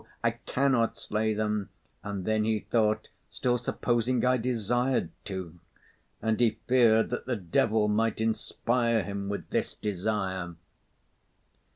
I cannot slay them!" and then he thought: "Still, supposing I desired to? " and he feared that the devil might inspire him with this desire.